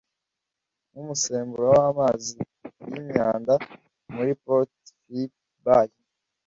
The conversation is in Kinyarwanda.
nk'umusemburo w'amazi yimyanda muri Port Philip Bay